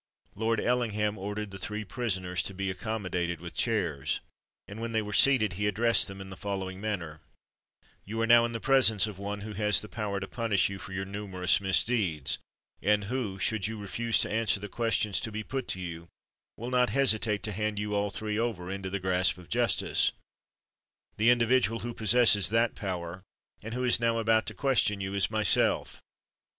Lord Ellingham ordered the three prisoners to be accommodated with chairs; and, when they were seated, he addressed them in the following manner:— "You are now in the presence of one who has the power to punish you for your numerous misdeeds, and who, should you refuse to answer the questions to be put to you, will not hesitate to hand you all three over into the grasp of justice. The individual who possesses that power, and who is now about to question you, is myself.